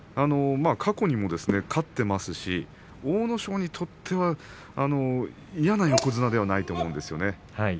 過去にも勝っていますし阿武咲にとっては嫌な横綱ではないと思うんですよね。